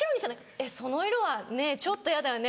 「えっその色はねちょっとヤダよね？」。